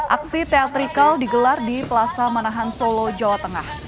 aksi teatrikal digelar di plaza manahan solo jawa tengah